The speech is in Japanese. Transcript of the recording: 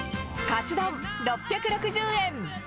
カツ丼６６０円。